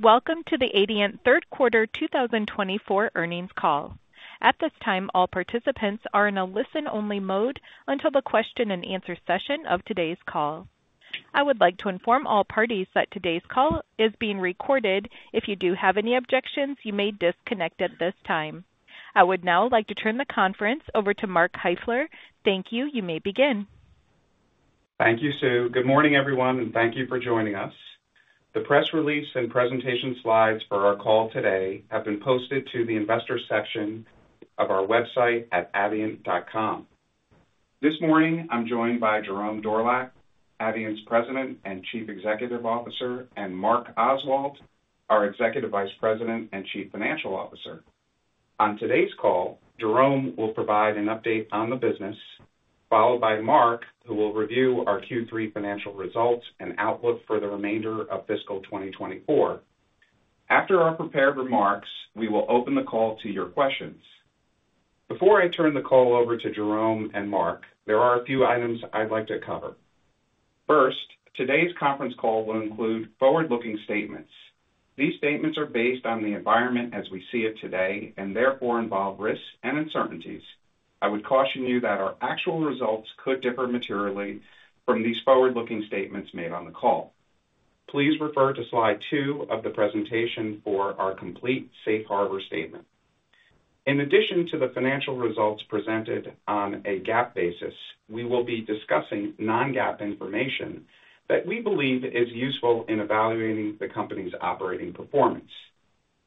Welcome to the Adient third quarter 2024 earnings call. At this time, all participants are in a listen-only mode until the question-and-answer session of today's call. I would like to inform all parties that today's call is being recorded. If you do have any objections, you may disconnect at this time. I would now like to turn the conference over to Mark Kieffer. Thank you. You may begin. Thank you, Sue. Good morning, everyone, and thank you for joining us. The press release and presentation slides for our call today have been posted to the Investors section of our website at adient.com. This morning, I'm joined by Jerome Dorlack, Adient's President and Chief Executive Officer, and Mark Oswald, our Executive Vice President and Chief Financial Officer. On today's call, Jerome will provide an update on the business, followed by Mark, who will review our Q3 financial results and outlook for the remainder of fiscal 2024. After our prepared remarks, we will open the call to your questions. Before I turn the call over to Jerome and Mark, there are a few items I'd like to cover. First, today's conference call will include forward-looking statements. These statements are based on the environment as we see it today, and therefore involve risks and uncertainties. I would caution you that our actual results could differ materially from these forward-looking statements made on the call. Please refer to slide 2 of the presentation for our complete safe harbor statement. In addition to the financial results presented on a GAAP basis, we will be discussing Non-GAAP information that we believe is useful in evaluating the company's operating performance.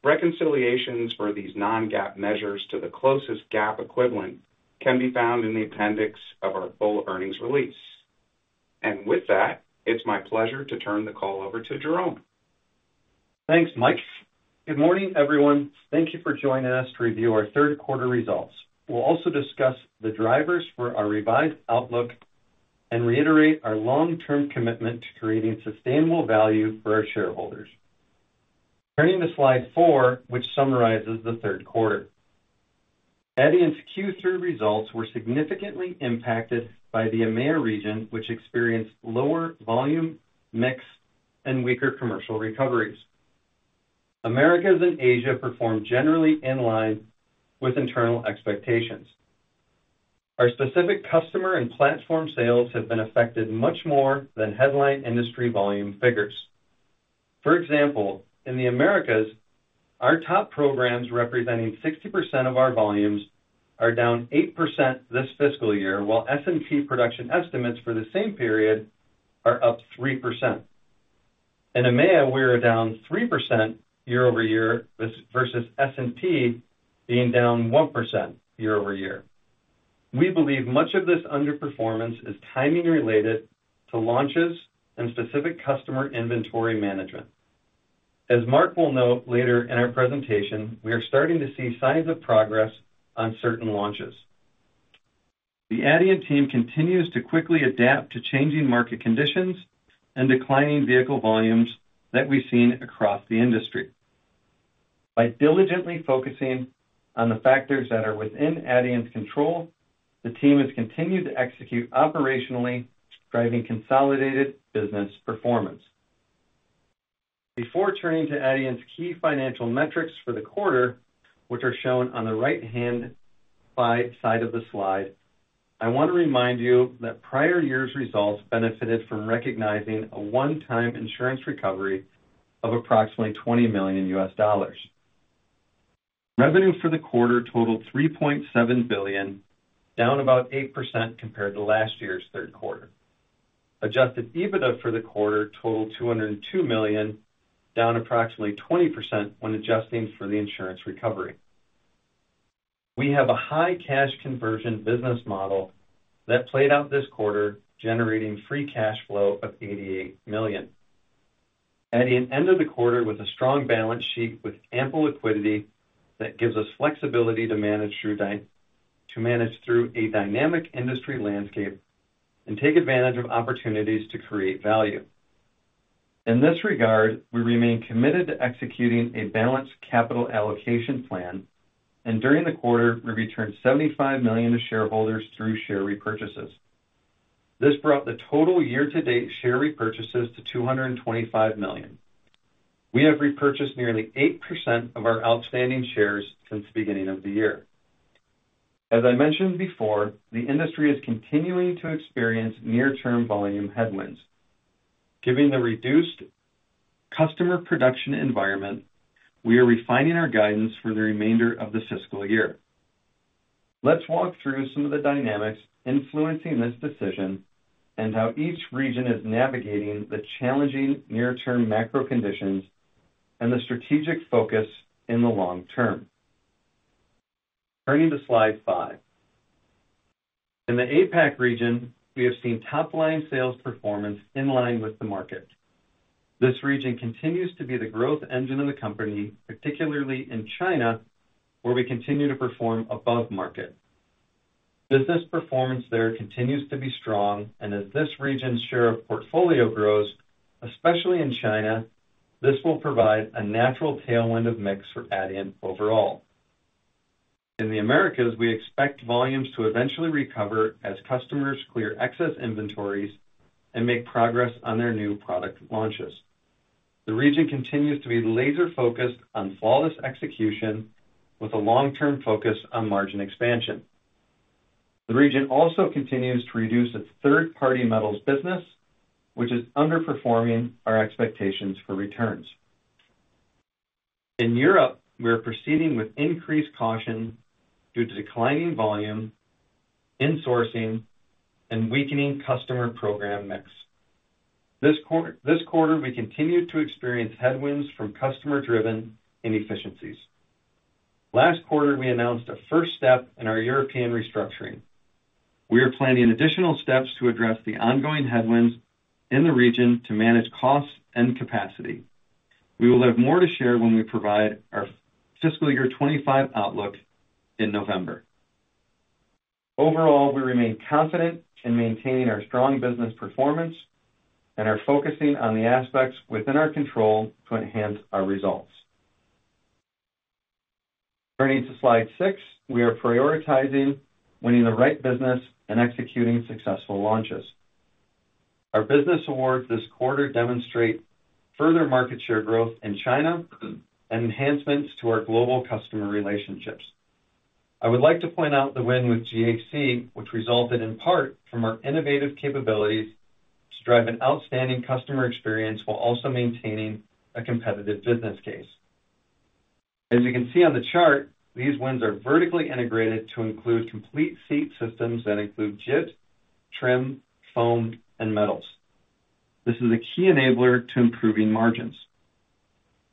Reconciliations for these Non-GAAP measures to the closest GAAP equivalent can be found in the appendix of our full earnings release. With that, it's my pleasure to turn the call over to Jerome. Thanks, Mark. Good morning, everyone. Thank you for joining us to review our third quarter results. We'll also discuss the drivers for our revised outlook and reiterate our long-term commitment to creating sustainable value for our shareholders. Turning to slide 4, which summarizes the third quarter. Adient's Q3 results were significantly impacted by the EMEA region, which experienced lower volume, mix, and weaker commercial recoveries. Americas and Asia performed generally in line with internal expectations. Our specific customer and platform sales have been affected much more than headline industry volume figures. For example, in the Americas, our top programs, representing 60% of our volumes, are down 8% this fiscal year, while S&P production estimates for the same period are up 3%. In EMEA, we are down 3% year-over-year, versus S&P being down 1% year-over-year. We believe much of this underperformance is timing related to launches and specific customer inventory management. As Mark will note later in our presentation, we are starting to see signs of progress on certain launches. The Adient team continues to quickly adapt to changing market conditions and declining vehicle volumes that we've seen across the industry. By diligently focusing on the factors that are within Adient's control, the team has continued to execute operationally, driving consolidated business performance. Before turning to Adient's key financial metrics for the quarter, which are shown on the right-hand side, side of the slide, I want to remind you that prior year's results benefited from recognizing a one-time insurance recovery of approximately $20 million. Revenue for the quarter totaled $3.7 billion, down about 8% compared to last year's third quarter. Adjusted EBITDA for the quarter totaled $202 million, down approximately 20% when adjusting for the insurance recovery. We have a high cash conversion business model that played out this quarter, generating Free Cash Flow of $88 million. Adient ended the quarter with a strong balance sheet, with ample liquidity that gives us flexibility to manage through a dynamic industry landscape and take advantage of opportunities to create value. In this regard, we remain committed to executing a balanced capital allocation plan, and during the quarter, we returned $75 million to shareholders through share repurchases. This brought the total year-to-date share repurchases to $225 million. We have repurchased nearly 8% of our outstanding shares since the beginning of the year. As I mentioned before, the industry is continuing to experience near-term volume headwinds. Given the reduced customer production environment, we are refining our guidance for the remainder of this fiscal year. Let's walk through some of the dynamics influencing this decision and how each region is navigating the challenging near-term macro conditions and the strategic focus in the long term. Turning to slide 5. In the APAC region, we have seen top-line sales performance in line with the market. This region continues to be the growth engine of the company, particularly in China, where we continue to perform above market. Business performance there continues to be strong, and as this region's share of portfolio grows, especially in China, this will provide a natural tailwind of mix for Adient overall....In the Americas, we expect volumes to eventually recover as customers clear excess inventories and make progress on their new product launches. The region continues to be laser-focused on flawless execution, with a long-term focus on margin expansion. The region also continues to reduce its third-party metals business, which is underperforming our expectations for returns. In Europe, we are proceeding with increased caution due to declining volume, insourcing, and weakening customer program mix. This quarter, we continued to experience headwinds from customer-driven inefficiencies. Last quarter, we announced a first step in our European restructuring. We are planning additional steps to address the ongoing headwinds in the region to manage costs and capacity. We will have more to share when we provide our fiscal year 2025 outlook in November. Overall, we remain confident in maintaining our strong business performance and are focusing on the aspects within our control to enhance our results. Turning to Slide 6, we are prioritizing winning the right business and executing successful launches. Our business awards this quarter demonstrate further market share growth in China and enhancements to our global customer relationships. I would like to point out the win with GAC, which resulted in part from our innovative capabilities to drive an outstanding customer experience while also maintaining a competitive business case. As you can see on the chart, these wins are vertically integrated to include complete seat systems that include JIT, trim, foam, and metals. This is a key enabler to improving margins.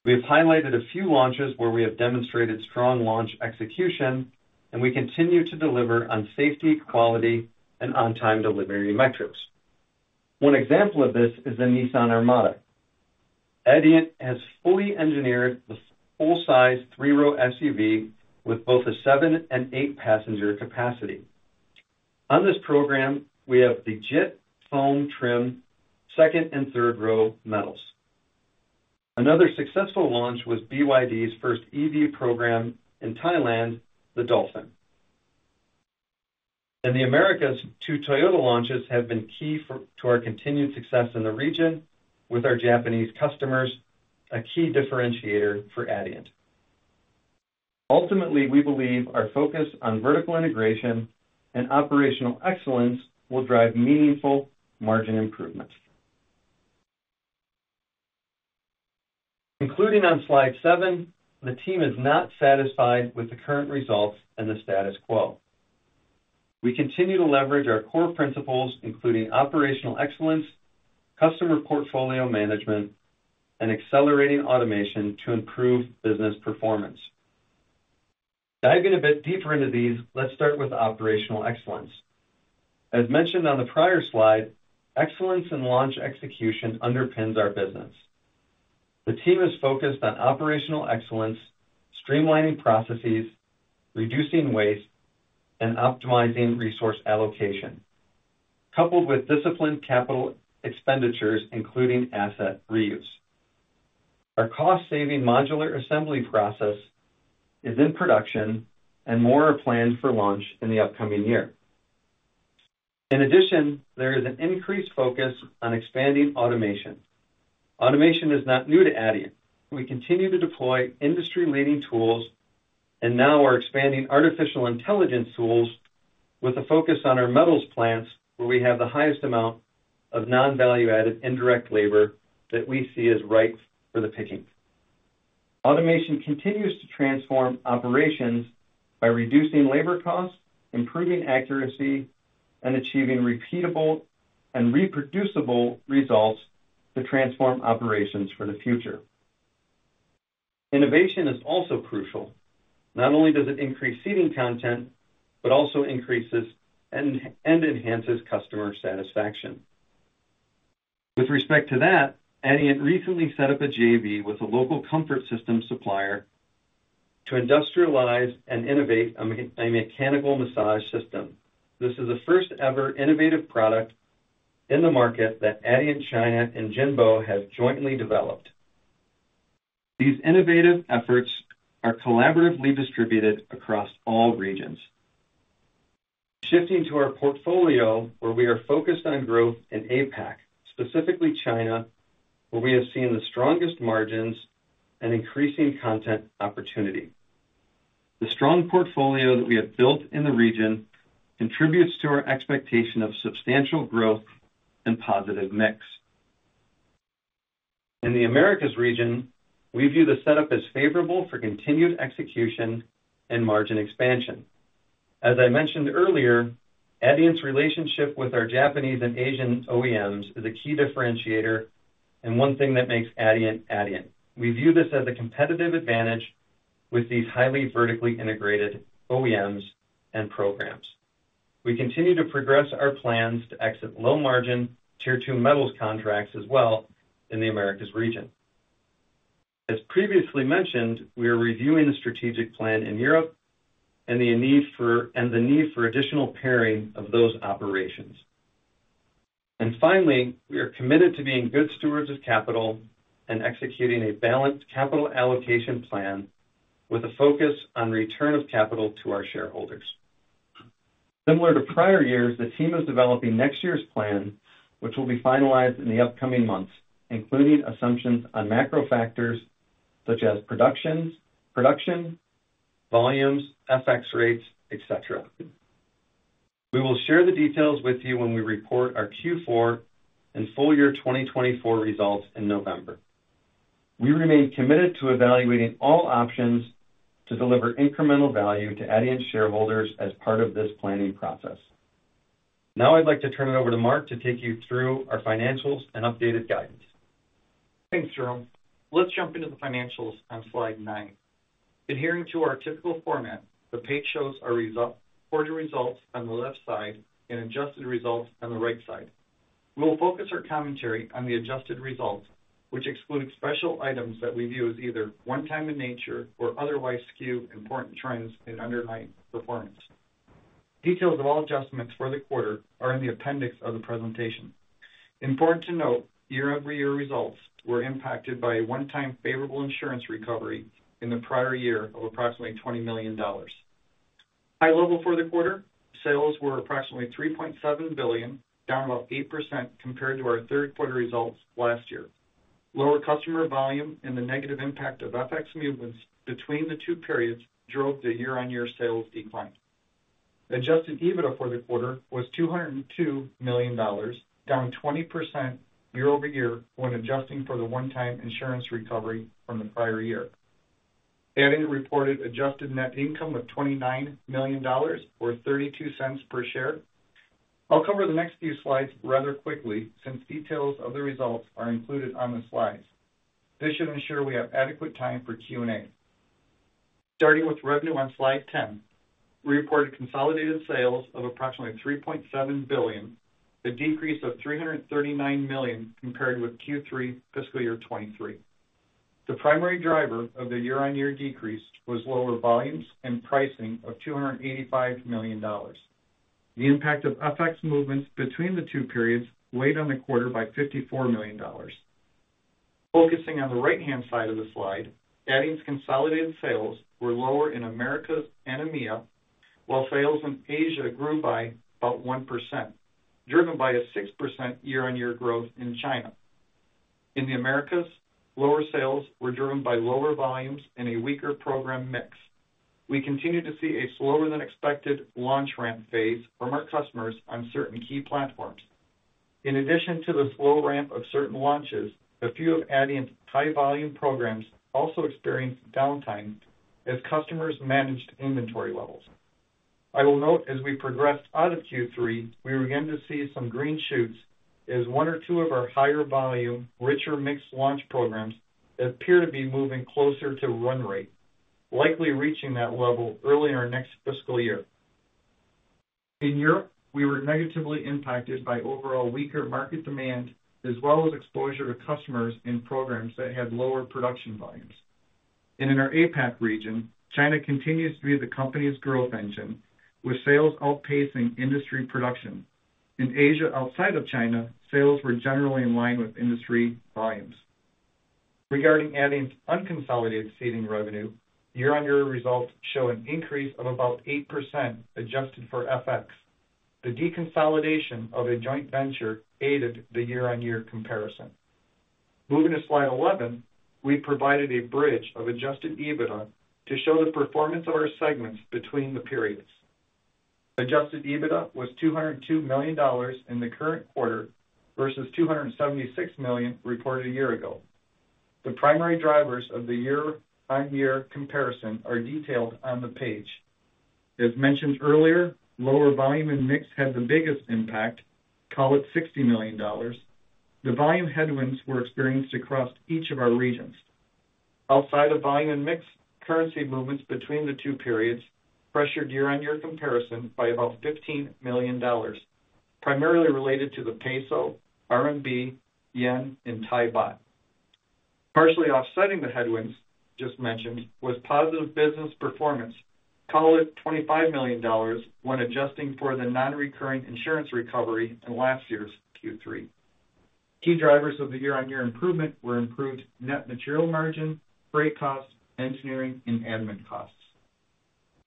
We have highlighted a few launches where we have demonstrated strong launch execution, and we continue to deliver on safety, quality, and on-time delivery metrics. One example of this is the Nissan Armada. Adient has fully engineered the full-size, three-row SUV with both a seven and eight-passenger capacity. On this program, we have the JIT, foam, trim, second and third-row metals. Another successful launch was BYD's first EV program in Thailand, the Dolphin. In the Americas, two Toyota launches have been key to our continued success in the region with our Japanese customers, a key differentiator for Adient. Ultimately, we believe our focus on vertical integration and operational excellence will drive meaningful margin improvements. Concluding on Slide 7, the team is not satisfied with the current results and the status quo. We continue to leverage our core principles, including operational excellence, customer portfolio management, and accelerating automation, to improve business performance. Diving a bit deeper into these, let's start with operational excellence. As mentioned on the prior slide, excellence in launch execution underpins our business. The team is focused on operational excellence, streamlining processes, reducing waste, and optimizing resource allocation, coupled with disciplined capital expenditures, including asset reuse. Our cost-saving modular assembly process is in production, and more are planned for launch in the upcoming year. In addition, there is an increased focus on expanding automation. Automation is not new to Adient. We continue to deploy industry-leading tools, and now we're expanding artificial intelligence tools with a focus on our metals plants, where we have the highest amount of non-value-added indirect labor that we see as ripe for the picking. Automation continues to transform operations by reducing labor costs, improving accuracy, and achieving repeatable and reproducible results to transform operations for the future. Innovation is also crucial. Not only does it increase seating content, but also increases and enhances customer satisfaction. With respect to that, Adient recently set up a JV with a local comfort system supplier to industrialize and innovate a mechanical massage system. This is the first-ever innovative product in the market that Adient China and Jingbo have jointly developed. These innovative efforts are collaboratively distributed across all regions. Shifting to our portfolio, where we are focused on growth in APAC, specifically China, where we have seen the strongest margins and increasing content opportunity. The strong portfolio that we have built in the region contributes to our expectation of substantial growth and positive mix. In the Americas region, we view the setup as favorable for continued execution and margin expansion. As I mentioned earlier, Adient's relationship with our Japanese and Asian OEMs is a key differentiator and one thing that makes Adient, Adient. We view this as a competitive advantage with these highly vertically integrated OEMs and programs. We continue to progress our plans to exit low-margin, Tier 2 metals contracts as well in the Americas region. As previously mentioned, we are reviewing the strategic plan in Europe and the need for additional pairing of those operations. And finally, we are committed to being good stewards of capital and executing a balanced capital allocation plan with a focus on return of capital to our shareholders. Similar to prior years, the team is developing next year's plan, which will be finalized in the upcoming months, including assumptions on macro factors such as production volumes, FX rates, et cetera. We will share the details with you when we report our Q4 and full year 2024 results in November. We remain committed to evaluating all options to deliver incremental value to Adient shareholders as part of this planning process. Now I'd like to turn it over to Mark to take you through our financials and updated guidance. Thanks, Jerome. Let's jump into the financials on slide 9. Adhering to our typical format, the page shows our quarterly results on the left side and adjusted results on the right side. We will focus our commentary on the adjusted results, which exclude special items that we view as either one-time in nature or otherwise skew important trends in underlying performance. Details of all adjustments for the quarter are in the appendix of the presentation. Important to note, year-over-year results were impacted by a one-time favorable insurance recovery in the prior year of approximately $20 million. At a high level for the quarter, sales were approximately $3.7 billion, down about 8% compared to our third quarter results last year. Lower customer volume and the negative impact of FX movements between the two periods drove the year-over-year sales decline. Adjusted EBITDA for the quarter was $202 million, down 20% year-over-year when adjusting for the one-time insurance recovery from the prior year. Adient reported adjusted net income of $29 million, or 32 cents per share. I'll cover the next few slides rather quickly, since details of the results are included on the slides. This should ensure we have adequate time for Q&A. Starting with revenue on Slide 10, we reported consolidated sales of approximately $3.7 billion, a decrease of $339 million compared with Q3 fiscal year 2023. The primary driver of the year-on-year decrease was lower volumes and pricing of $285 million. The impact of FX movements between the two periods weighed on the quarter by $54 million. Focusing on the right-hand side of the slide, Adient's consolidated sales were lower in Americas and EMEA, while sales in Asia grew by about 1%, driven by a 6% year-on-year growth in China. In the Americas, lower sales were driven by lower volumes and a weaker program mix. We continue to see a slower than expected launch ramp phase from our customers on certain key platforms. In addition to the slow ramp of certain launches, a few of Adient's high volume programs also experienced downtime as customers managed inventory levels. I will note, as we progressed out of Q3, we began to see some green shoots as one or two of our higher volume, richer mixed launch programs appear to be moving closer to run rate, likely reaching that level early in our next fiscal year. In Europe, we were negatively impacted by overall weaker market demand, as well as exposure to customers in programs that had lower production volumes. In our APAC region, China continues to be the company's growth engine, with sales outpacing industry production. In Asia, outside of China, sales were generally in line with industry volumes. Regarding Adient's unconsolidated seating revenue, year-on-year results show an increase of about 8% adjusted for FX. The deconsolidation of a joint venture aided the year-on-year comparison. Moving to slide 11, we provided a bridge of Adjusted EBITDA to show the performance of our segments between the periods. Adjusted EBITDA was $202 million in the current quarter versus $276 million reported a year ago. The primary drivers of the year-on-year comparison are detailed on the page. As mentioned earlier, lower volume and mix had the biggest impact, call it $60 million. The volume headwinds were experienced across each of our regions. Outside of volume and mix, currency movements between the two periods pressured year-on-year comparison by about $15 million, primarily related to the peso, RMB, yen, and Thai baht. Partially offsetting the headwinds just mentioned was positive business performance, call it $25 million, when adjusting for the non-recurring insurance recovery in last year's Q3. Key drivers of the year-on-year improvement were improved net material margin, freight costs, engineering and admin costs.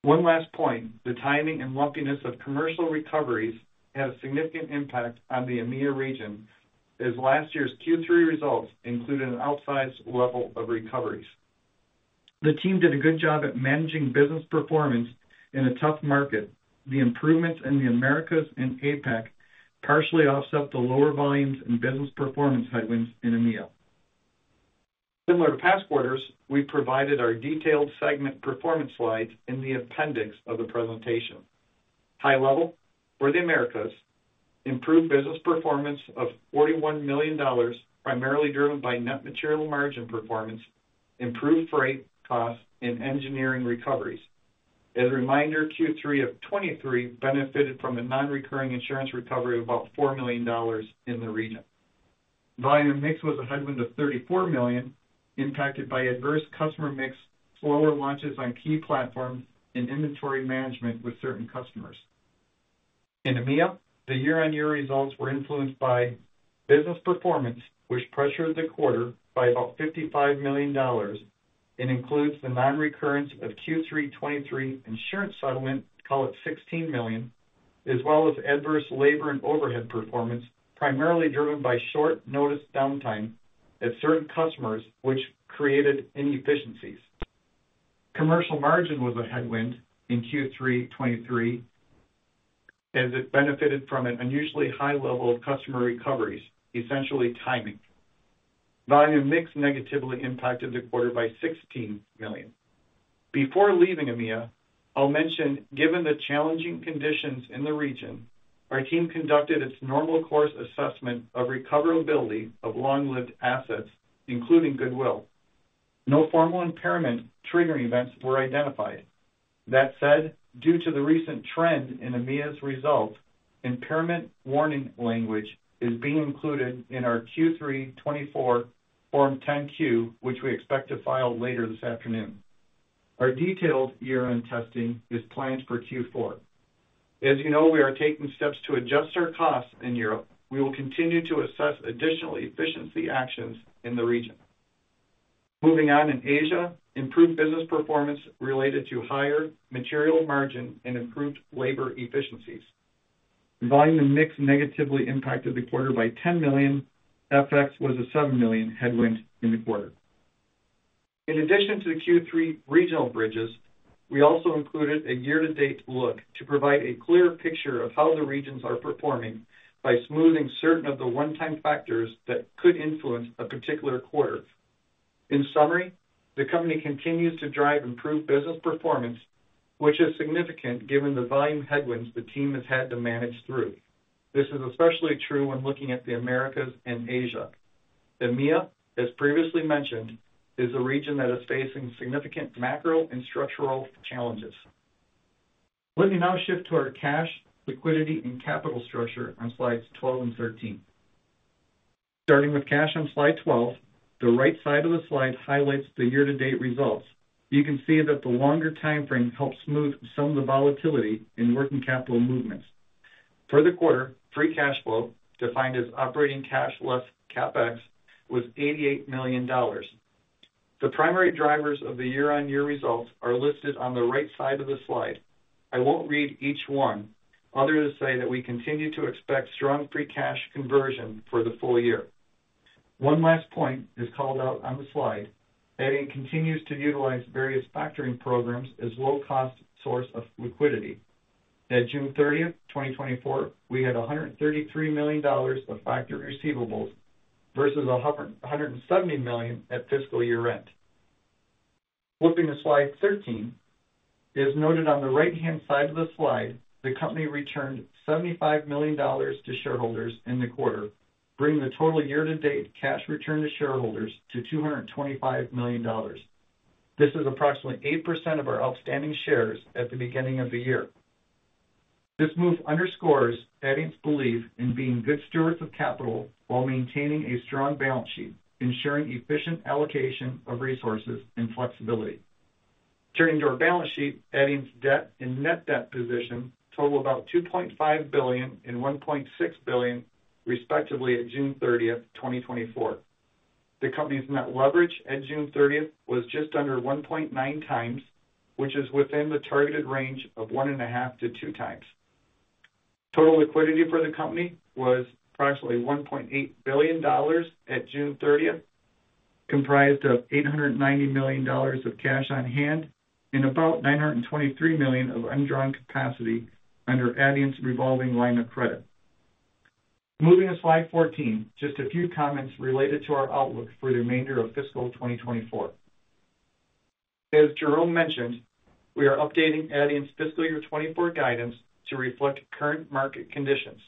One last point, the timing and lumpiness of commercial recoveries had a significant impact on the EMEA region, as last year's Q3 results included an outsized level of recoveries. The team did a good job at managing business performance in a tough market. The improvements in the Americas and APAC partially offset the lower volumes and business performance headwinds in EMEA. Similar to past quarters, we provided our detailed segment performance slides in the appendix of the presentation. High level for the Americas, improved business performance of $41 million, primarily driven by net material margin performance, improved freight costs, and engineering recoveries. As a reminder, Q3 of 2023 benefited from a non-recurring insurance recovery of about $4 million in the region.... Volume and mix was a headwind of $34 million, impacted by adverse customer mix, slower launches on key platforms, and inventory management with certain customers. In EMEA, the year-over-year results were influenced by business performance, which pressured the quarter by about $55 million and includes the non-recurrence of Q3 2023 insurance settlement, call it $16 million, as well as adverse labor and overhead performance, primarily driven by short notice downtime at certain customers, which created inefficiencies. Commercial margin was a headwind in Q3 2023, as it benefited from an unusually high level of customer recoveries, essentially timing. Volume mix negatively impacted the quarter by $16 million. Before leaving EMEA, I'll mention, given the challenging conditions in the region, our team conducted its normal course assessment of recoverability of long-lived assets, including goodwill. No formal impairment triggering events were identified. That said, due to the recent trend in EMEA's results, impairment warning language is being included in our Q3 2024 Form 10-Q, which we expect to file later this afternoon. Our detailed year-end testing is planned for Q4. As you know, we are taking steps to adjust our costs in Europe. We will continue to assess additional efficiency actions in the region. Moving on, in Asia, improved business performance related to higher material margin and improved labor efficiencies. Volume and mix negatively impacted the quarter by $10 million. FX was a $7 million headwind in the quarter. In addition to the Q3 regional bridges, we also included a year-to-date look to provide a clear picture of how the regions are performing by smoothing certain of the one-time factors that could influence a particular quarter. In summary, the company continues to drive improved business performance, which is significant given the volume headwinds the team has had to manage through. This is especially true when looking at the Americas and Asia. EMEA, as previously mentioned, is a region that is facing significant macro and structural challenges. Let me now shift to our cash, liquidity, and capital structure on slides 12 and 13. Starting with cash on slide 12, the right side of the slide highlights the year-to-date results. You can see that the longer timeframe helps smooth some of the volatility in working capital movements. For the quarter, free cash flow, defined as operating cash less CapEx, was $88 million. The primary drivers of the year-on-year results are listed on the right side of the slide. I won't read each one, other than to say that we continue to expect strong free cash conversion for the full year. One last point is called out on the slide. Adient continues to utilize various factoring programs as low-cost source of liquidity. At June thirtieth, 2024, we had $133 million of factored receivables versus $170 million at fiscal year end. Flipping to slide 13, as noted on the right-hand side of the slide, the company returned $75 million to shareholders in the quarter, bringing the total year-to-date cash return to shareholders to $225 million. This is approximately 8% of our outstanding shares at the beginning of the year. This move underscores Adient's belief in being good stewards of capital while maintaining a strong balance sheet, ensuring efficient allocation of resources and flexibility. Turning to our balance sheet, Adient's debt and net debt position total about $2.5 billion and $1.6 billion, respectively, at June thirtieth, 2024. The company's net leverage at June 30 was just under 1.9 times, which is within the targeted range of 1.5-2 times. Total liquidity for the company was approximately $1.8 billion at June 30, comprised of $890 million of cash on hand and about $923 million of undrawn capacity under Adient's revolving line of credit. Moving to slide 14, just a few comments related to our outlook for the remainder of fiscal 2024. As Jerome mentioned, we are updating Adient's fiscal year 2024 guidance to reflect current market conditions.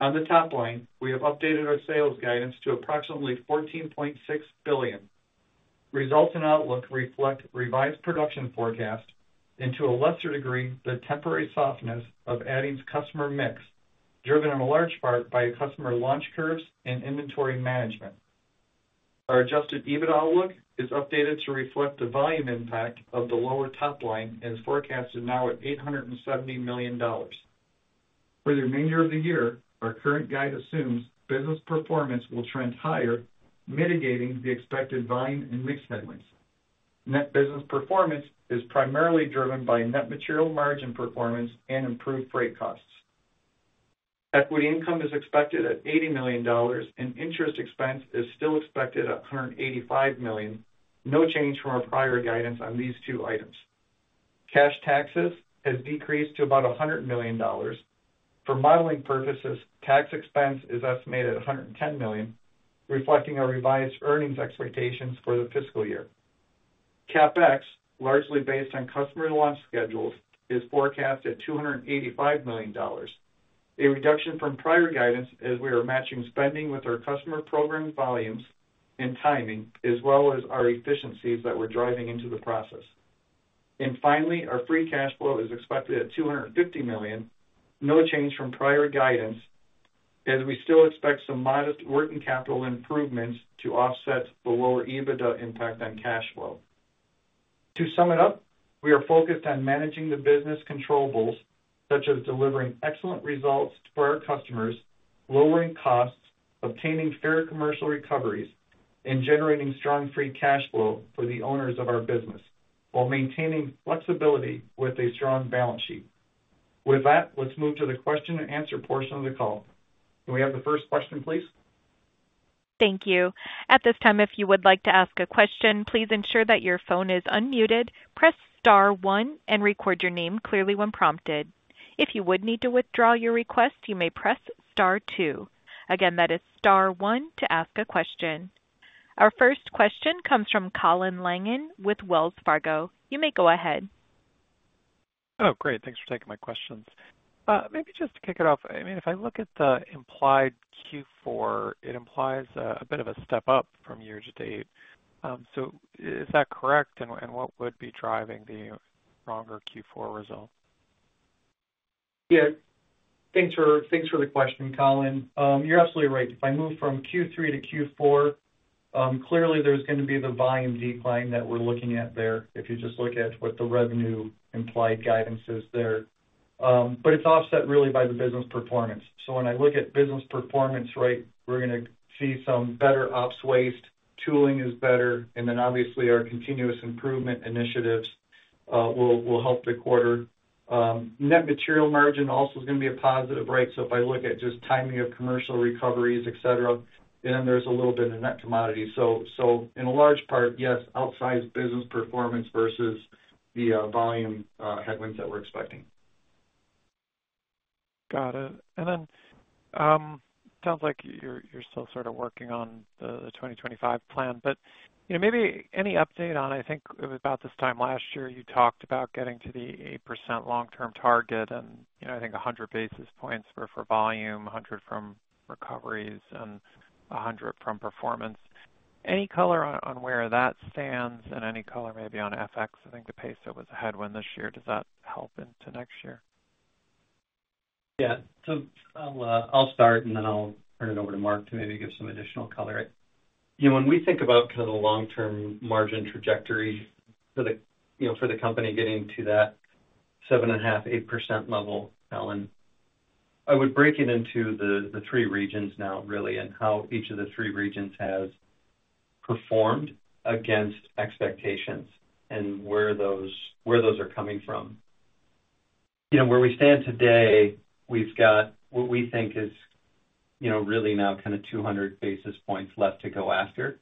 On the top line, we have updated our sales guidance to approximately $14.6 billion. Results and outlook reflect revised production forecast, and to a lesser degree, the temporary softness of Adient's customer mix, driven in large part by customer launch curves and inventory management. Our Adjusted EBIT outlook is updated to reflect the volume impact of the lower top line and is forecasted now at $870 million. For the remainder of the year, our current guide assumes business performance will trend higher, mitigating the expected volume and mix headwinds. Net business performance is primarily driven by net material margin performance and improved freight costs. Equity income is expected at $80 million, and interest expense is still expected at $185 million. No change from our prior guidance on these two items. Cash taxes has decreased to about $100 million. For modeling purposes, tax expense is estimated at $110 million, reflecting our revised earnings expectations for the fiscal year. CapEx, largely based on customer launch schedules, is forecast at $285 million, a reduction from prior guidance as we are matching spending with our customer program volumes and timing, as well as our efficiencies that we're driving into the process. Finally, our Free Cash Flow is expected at $250 million, no change from prior guidance, as we still expect some modest working capital improvements to offset the lower EBITDA impact on cash flow. To sum it up, we are focused on managing the business controllables, such as delivering excellent results to our customers, lowering costs, obtaining fair commercial recoveries, and generating strong Free Cash Flow for the owners of our business, while maintaining flexibility with a strong balance sheet. With that, let's move to the question-and-answer portion of the call. Can we have the first question, please? Thank you. At this time, if you would like to ask a question, please ensure that your phone is unmuted, press star one, and record your name clearly when prompted. If you would need to withdraw your request, you may press star two. Again, that is star one to ask a question. Our first question comes from Colin Langan with Wells Fargo. You may go ahead. Oh, great. Thanks for taking my questions. Maybe just to kick it off, I mean, if I look at the implied Q4, it implies a bit of a step up from year to date. So is that correct? And what would be driving the stronger Q4 result? Yeah. Thanks for, thanks for the question, Colin. You're absolutely right. If I move from Q3 to Q4, clearly, there's gonna be the volume decline that we're looking at there, if you just look at what the revenue implied guidance is there. But it's offset really by the business performance. So when I look at business performance, right, we're gonna see some better ops waste, tooling is better, and then obviously, our continuous improvement initiatives will help the quarter. Net material margin also is gonna be a positive, right? So if I look at just timing of commercial recoveries, et cetera, then there's a little bit of net commodity. So in a large part, yes, outsized business performance versus the volume headwinds that we're expecting. Got it. And then, sounds like you're still sort of working on the 2025 plan, but, you know, maybe any update on... I think it was about this time last year, you talked about getting to the 8% long-term target, and, you know, I think 100 basis points were for volume, 100 from recoveries and 100 from performance. Any color on where that stands and any color maybe on FX? I think the peso was a headwind this year. Does that help into next year? Yeah. So I'll, I'll start, and then I'll turn it over to Mark to maybe give some additional color. Yeah, when we think about kind of the long-term margin trajectory for the, you know, for the company getting to that 7.5%-8% level, Colin, I would break it into the three regions now, really, and how each of the three regions has performed against expectations and where those are coming from. You know, where we stand today, we've got what we think is, you know, really now kind of 200 basis points left to go after.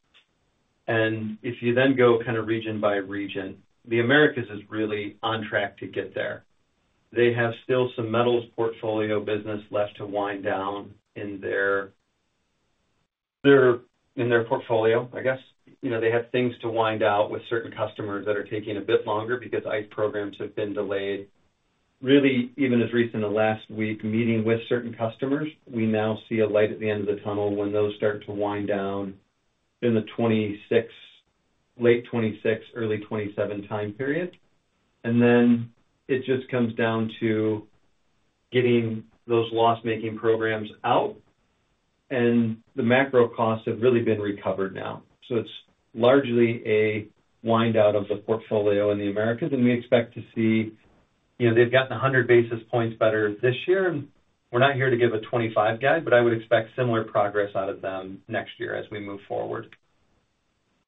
And if you then go kind of region by region, the Americas is really on track to get there. They have still some metals portfolio business left to wind down in their portfolio, I guess. You know, they have things to wind out with certain customers that are taking a bit longer because ICE programs have been delayed. Really, even as recent as last week, meeting with certain customers, we now see a light at the end of the tunnel when those start to wind down in the 2026, late 2026, early 2027 time period. And then it just comes down to getting those loss-making programs out, and the macro costs have really been recovered now. So it's largely a wind-down of the portfolio in the Americas, and we expect to see... You know, they've gotten 100 basis points better this year, and we're not here to give a 2025 guide, but I would expect similar progress out of them next year as we move forward.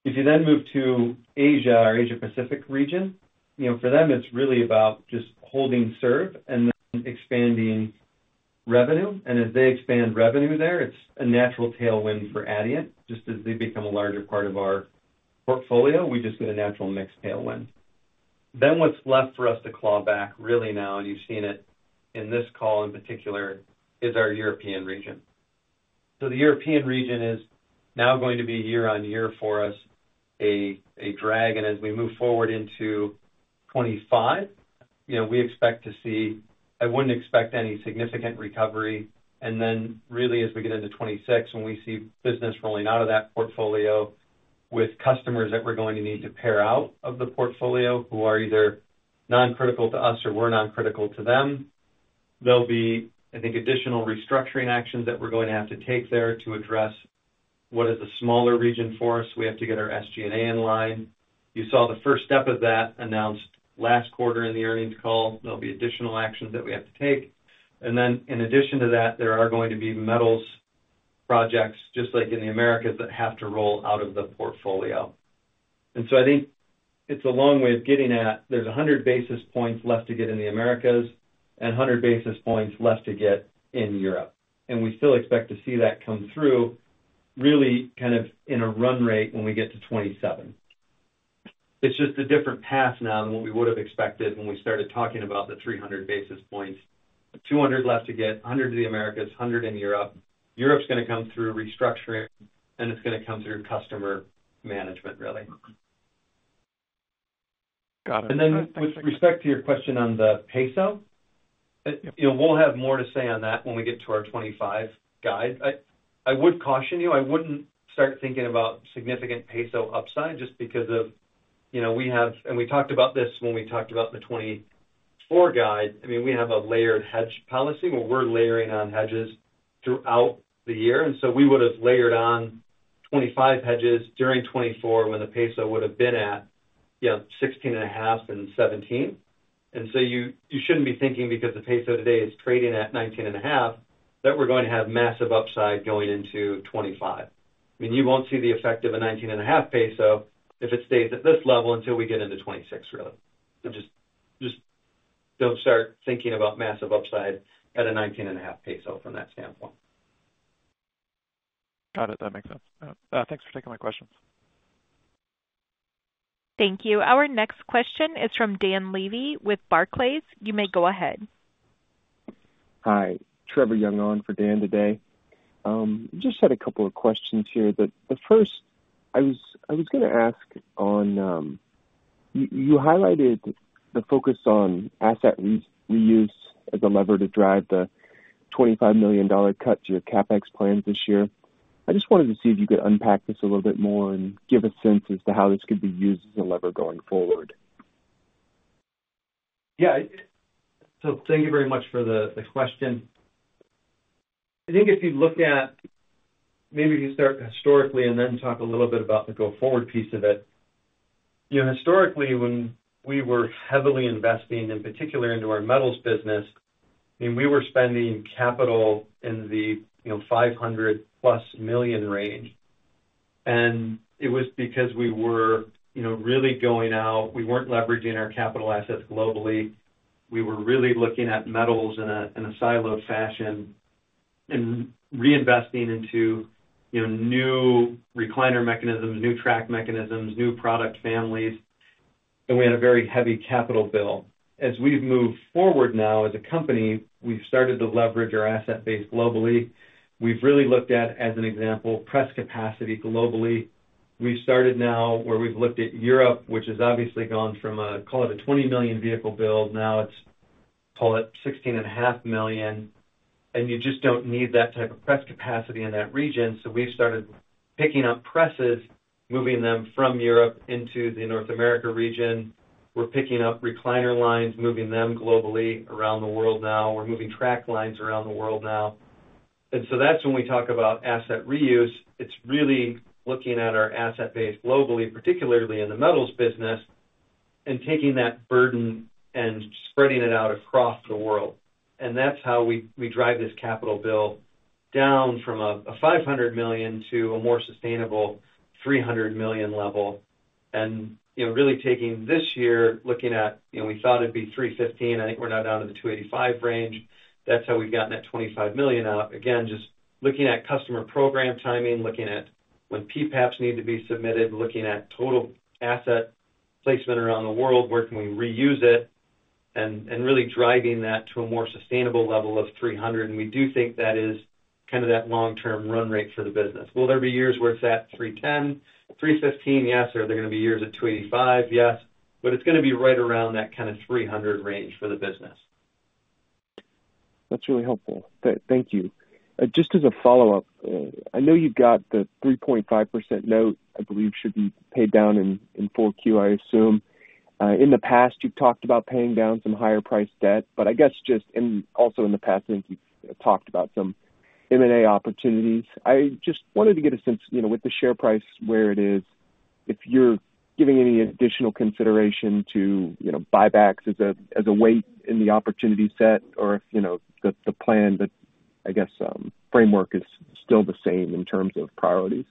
If you then move to Asia or Asia Pacific region, you know, for them, it's really about just holding serve and then expanding revenue. And as they expand revenue there, it's a natural tailwind for Adient. Just as they become a larger part of our portfolio, we just get a natural mix tailwind. Then what's left for us to claw back, really now, and you've seen it in this call, in particular, is our European region. So the European region is now going to be year-on-year for us, a drag. And as we move forward into 2025, you know, we expect to see... I wouldn't expect any significant recovery. And then, really, as we get into 2026, when we see business rolling out of that portfolio with customers that we're going to need to pare out of the portfolio, who are either non-critical to us or we're non-critical to them, there'll be, I think, additional restructuring actions that we're going to have to take there to address what is a smaller region for us. We have to get our SG&A in line. You saw the first step of that announced last quarter in the earnings call. There'll be additional actions that we have to take. And then in addition to that, there are going to be metals projects, just like in the Americas, that have to roll out of the portfolio. And so I think it's a long way of getting at there's 100 basis points left to get in the Americas and 100 basis points left to get in Europe. And we still expect to see that come through, really, kind of in a run rate when we get to 2027. It's just a different path now than what we would have expected when we started talking about the 300 basis points. 200 left to get, 100 to the Americas, 100 in Europe. Europe's gonna come through restructuring, and it's gonna come through customer management, really. Got it. And then with respect to your question on the peso. You know, we'll have more to say on that when we get to our 2025 guide. I would caution you, I wouldn't start thinking about significant peso upside just because of, you know, we have, and we talked about this when we talked about the 2024 guide. I mean, we have a layered hedge policy, where we're layering on hedges throughout the year, and so we would have layered on 25 hedges during 2024 when the peso would have been at, you know, 16.5-17. And so you shouldn't be thinking because the peso today is trading at 19.5, that we're going to have massive upside going into 2025. I mean, you won't see the effect of a 19.5 peso if it stays at this level until we get into 2026, really. So just, just don't start thinking about massive upside at a 19.5 peso from that standpoint. Got it. That makes sense. Thanks for taking my questions. Thank you. Our next question is from Dan Levy with Barclays. You may go ahead. Hi, Trevor Young on for Dan today. Just had a couple of questions here, but the first I was gonna ask on, you highlighted the focus on asset reuse as a lever to drive the $25 million cut to your CapEx plans this year. I just wanted to see if you could unpack this a little bit more and give a sense as to how this could be used as a lever going forward. Yeah. So thank you very much for the question. I think if you look at, maybe you start historically and then talk a little bit about the go-forward piece of it. You know, historically, when we were heavily investing, in particular into our metals business, I mean, we were spending capital in the, you know, $500+ million range. And it was because we were, you know, really going out. We weren't leveraging our capital assets globally. We were really looking at metals in a siloed fashion and reinvesting into, you know, new recliner mechanisms, new track mechanisms, new product families, and we had a very heavy capital bill. As we've moved forward now as a company, we've started to leverage our asset base globally. We've really looked at, as an example, press capacity globally. We've started now where we've looked at Europe, which has obviously gone from a, call it a 20 million vehicle build, now it's, call it 16.5 million, and you just don't need that type of press capacity in that region. So we've started picking up presses, moving them from Europe into the North America region. We're picking up recliner lines, moving them globally around the world now. We're moving track lines around the world now. And so that's when we talk about asset reuse, it's really looking at our asset base globally, particularly in the metals business, and taking that burden and spreading it out across the world. And that's how we, we drive this capital bill down from a, a $500 million to a more sustainable $300 million level. You know, really taking this year, looking at, you know, we thought it'd be 315, I think we're now down to the 285 range. That's how we've gotten that $25 million out. Again, just looking at customer program timing, looking at when PPAPs need to be submitted, looking at total asset placement around the world, where can we reuse it, and really driving that to a more sustainable level of 300. And we do think that is kind of that long-term run rate for the business. Will there be years where it's at 310, 315? Yes. Are there gonna be years at 285? Yes, but it's gonna be right around that kind of 300 range for the business. That's really helpful. Thank you. Just as a follow-up, I know you've got the 3.5% note, I believe, should be paid down in 4Q, I assume. In the past, you've talked about paying down some higher priced debt, but I guess also in the past, I think you've talked about some M&A opportunities. I just wanted to get a sense, you know, with the share price where it is, if you're giving any additional consideration to, you know, buybacks as a weight in the opportunity set or if, you know, the plan that, I guess, framework is still the same in terms of priorities.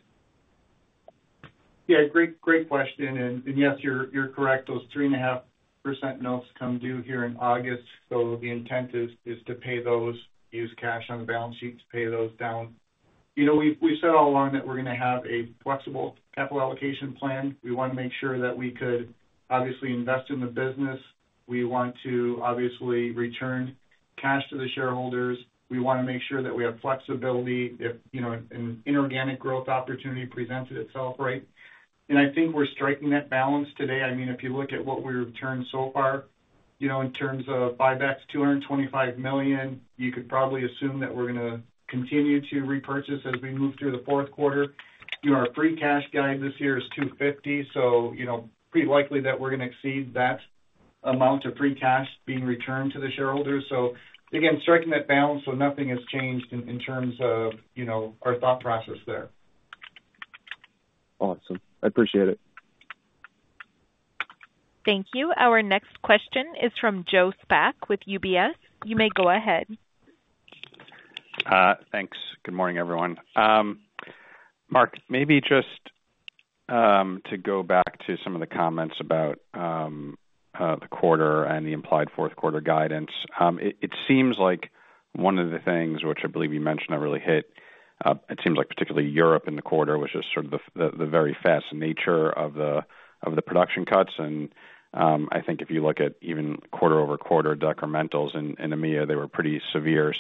Yeah, great question. And yes, you're correct. Those 3.5% notes come due here in August, so the intent is to pay those, use cash on the balance sheet to pay those down. You know, we've said all along that we're gonna have a flexible capital allocation plan. We want to make sure that we could obviously invest in the business. We want to obviously return cash to the shareholders. We want to make sure that we have flexibility if, you know, an inorganic growth opportunity presented itself, right? And I think we're striking that balance today. I mean, if you look at what we returned so far, you know, in terms of buybacks, $225 million, you could probably assume that we're gonna continue to repurchase as we move through the fourth quarter. You know, our free cash guide this year is $250, so you know, pretty likely that we're gonna exceed that amount of free cash being returned to the shareholders. So again, striking that balance, so nothing has changed in terms of, you know, our thought process there. Awesome. I appreciate it. Thank you. Our next question is from Joe Spak with UBS. You may go ahead. Thanks. Good morning, everyone. Mark, maybe just to go back to some of the comments about the quarter and the implied fourth quarter guidance. It seems like one of the things which I believe you mentioned, I really hit, it seems like particularly Europe in the quarter, was just sort of the very fast nature of the production cuts. I think if you look at even quarter-over-quarter decrementals in EMEA, they were pretty severe.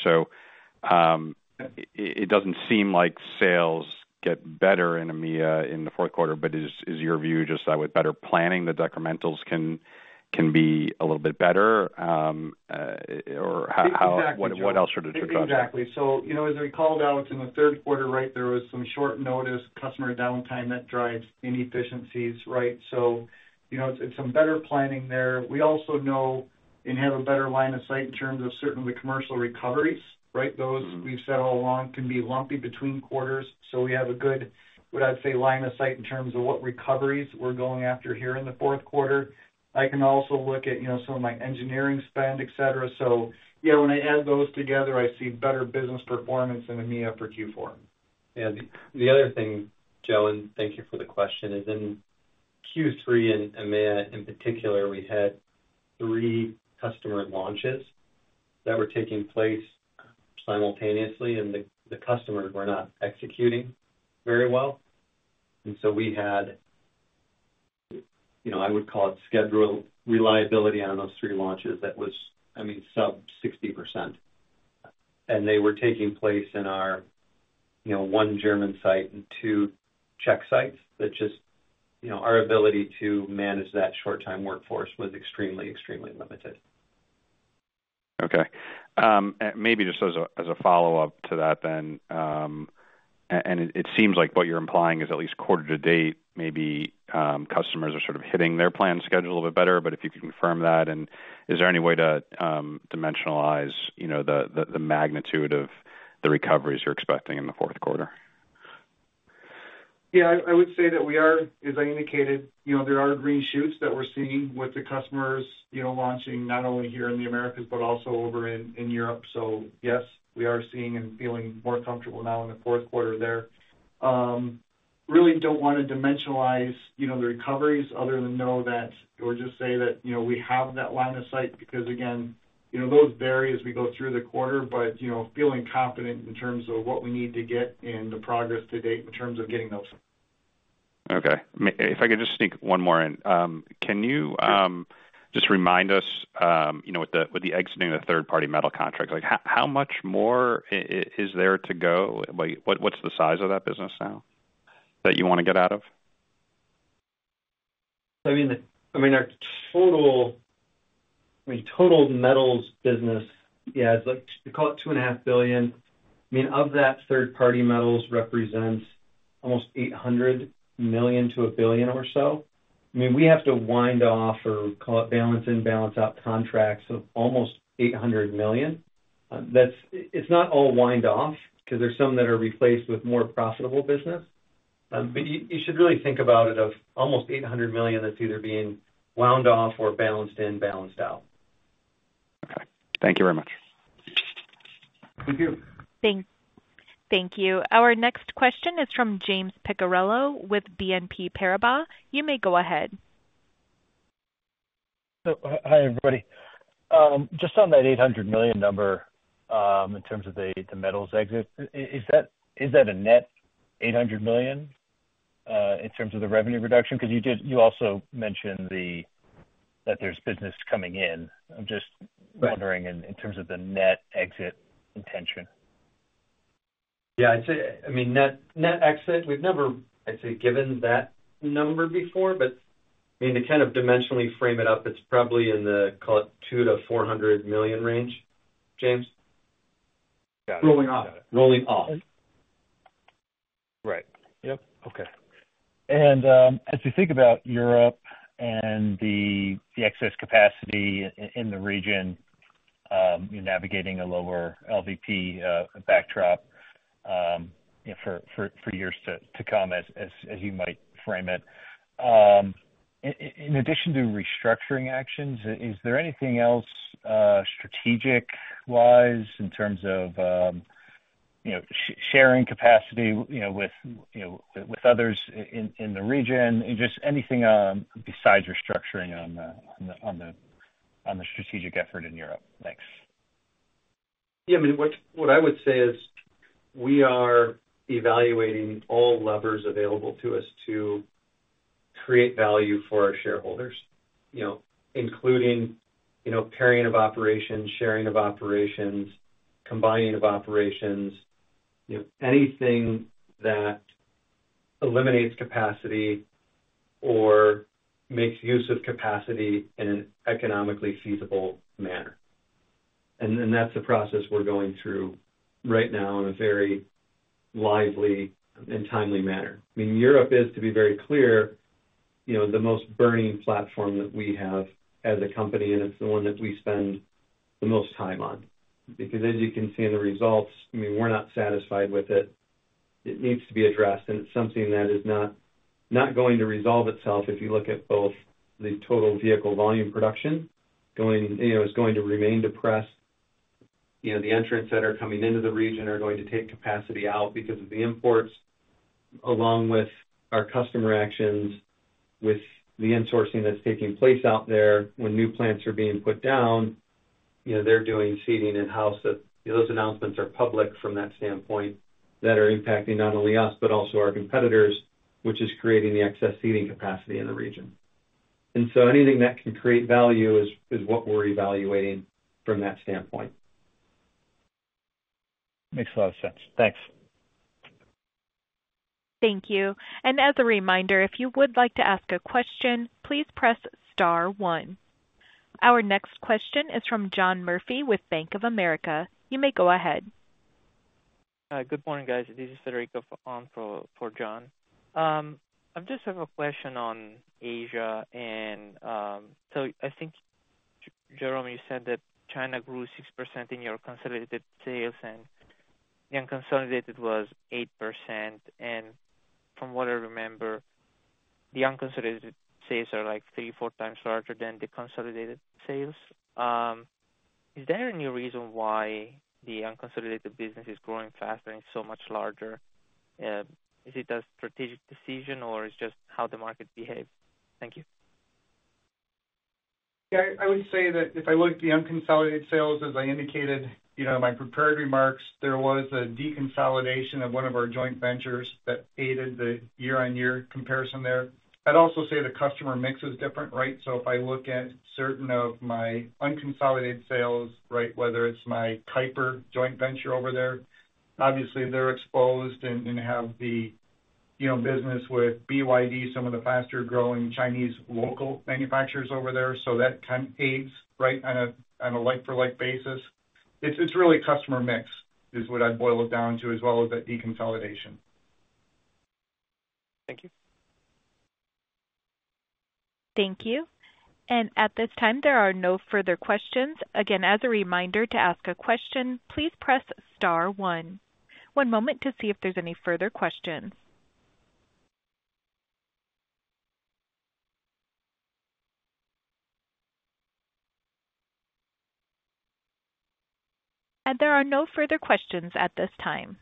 It doesn't seem like sales get better in EMEA in the fourth quarter, but is your view just that with better planning, the decrementals can be a little bit better, or how. Exactly. What else should it take? Exactly. So, you know, as we called out in the third quarter, right, there was some short notice customer downtime that drives inefficiencies, right? So, you know, it's some better planning there. We also know and have a better line of sight in terms of certainly commercial recoveries, right? Those, we've said all along, can be lumpy between quarters. So we have a good, what I'd say, line of sight in terms of what recoveries we're going after here in the fourth quarter. I can also look at, you know, some of my engineering spend, et cetera. So yeah, when I add those together, I see better business performance in EMEA for Q4. Yeah, the other thing, Joe, and thank you for the question, is in Q3, in EMEA, in particular, we had three customer launches that were taking place simultaneously, and the customers were not executing very well. And so we had, you know, I would call it schedule reliability on those three launches. That was, I mean, sub 60%. They were taking place in our, you know, one German site and two Czech sites that just, you know, our ability to manage that short time workforce was extremely, extremely limited. Okay. And maybe just as a follow-up to that then, and it seems like what you're implying is at least quarter to date, maybe, customers are sort of hitting their planned schedule a little bit better, but if you could confirm that, and is there any way to dimensionalize, you know, the magnitude of the recoveries you're expecting in the fourth quarter? Yeah, I, I would say that we are, as I indicated, you know, there are green shoots that we're seeing with the customers, you know, launching not only here in the Americas, but also over in Europe. So yes, we are seeing and feeling more comfortable now in the fourth quarter there. Really don't wanna dimensionalize, you know, the recoveries other than know that, or just say that, you know, we have that line of sight because again, you know, those vary as we go through the quarter, but, you know, feeling confident in terms of what we need to get and the progress to date in terms of getting those. Okay. If I could just sneak one more in. Can you- Sure. Just remind us, you know, with the exiting the third-party metal contract, like, how much more is there to go? Like, what's the size of that business now, that you wanna get out of? I mean, our total, I mean, total metals business, yeah, it's like, call it $2.5 billion. I mean, of that, third-party metals represents almost $800 million-$1 billion or so. I mean, we have to wind off, or call it balance in, balance out contracts of almost $800 million. That's, it's not all wind off, because there's some that are replaced with more profitable business. But you should really think about it of almost $800 million that's either being wound off or balanced in, balanced out. Okay. Thank you very much. Thank you. Thank you. Our next question is from James Picariello with BNP Paribas. You may go ahead. So hi, everybody. Just on that $800 million number, in terms of the metals exit, is that a net $800 million in terms of the revenue reduction? Because you also mentioned that there's business coming in. I'm just- Right. wondering in terms of the net exit intention. Yeah, I'd say, I mean, net, net exit, we've never actually given that number before, but I mean, to kind of dimensionally frame it up, it's probably in the, call it $200 million-$400 million range, James? Got it. Rolling off. Rolling off. Right. Yep. Okay. And, as you think about Europe and the excess capacity in the region, navigating a lower LVP backdrop, you know, for years to come, as you might frame it. In addition to restructuring actions, is there anything else strategic wise in terms of, you know, sharing capacity, you know, with others in the region? Just anything besides restructuring on the strategic effort in Europe. Thanks. Yeah, I mean, what, what I would say is we are evaluating all levers available to us to create value for our shareholders, you know, including, you know, carving of operations, sharing of operations, combining of operations, you know, anything that eliminates capacity or makes use of capacity in an economically feasible manner. And then that's the process we're going through right now in a very lively and timely manner. I mean, Europe is, to be very clear, you know, the most burning platform that we have as a company, and it's the one that we spend the most time on. Because as you can see in the results, I mean, we're not satisfied with it. It needs to be addressed, and it's something that is not, not going to resolve itself as if you look at both the total vehicle volume production going... You know, it's going to remain depressed. You know, the entrants that are coming into the region are going to take capacity out because of the imports, along with our customer actions, with the insourcing that's taking place out there. When new plants are being put down, you know, they're doing seating in-house that, you know, those announcements are public from that standpoint, that are impacting not only us, but also our competitors, which is creating the excess seating capacity in the region.... And so anything that can create value is what we're evaluating from that standpoint. Makes a lot of sense. Thanks. Thank you. As a reminder, if you would like to ask a question, please press star one. Our next question is from John Murphy with Bank of America. You may go ahead. Hi, good morning, guys. This is Federico on for, for John. I just have a question on Asia, and so I think, Jerome, you said that China grew 6% in your consolidated sales, and the unconsolidated was 8%. From what I remember, the unconsolidated sales are like 3-4 times larger than the consolidated sales. Is there any reason why the unconsolidated business is growing faster and so much larger? Is it a strategic decision, or it's just how the market behaves? Thank you. Yeah, I would say that if I look at the unconsolidated sales, as I indicated, you know, in my prepared remarks, there was a deconsolidation of one of our joint ventures that aided the year-on-year comparison there. I'd also say the customer mix is different, right? So if I look at certain of my unconsolidated sales, right, whether it's my Keiper joint venture over there, obviously they're exposed and, and have the, you know, business with BYD, some of the faster-growing Chinese local manufacturers over there. So that kind aids, right, on a, on a like-for-like basis. It's, it's really customer mix is what I'd boil it down to, as well as the deconsolidation. Thank you. Thank you. At this time, there are no further questions. Again, as a reminder, to ask a question, please press star one. One moment to see if there's any further questions. There are no further questions at this time.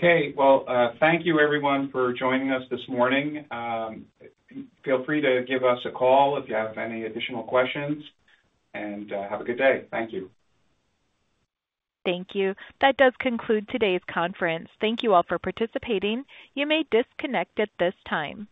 Okay. Well, thank you everyone for joining us this morning. Feel free to give us a call if you have any additional questions, and, have a good day. Thank you. Thank you. That does conclude today's conference. Thank you all for participating. You may disconnect at this time.